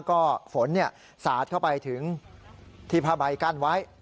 ก็ฝนสาดเข้าไปถึงที่ผ้าใบกั้นไว้